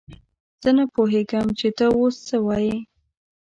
زه نه پوهېږم چې ته اوس څه وايې!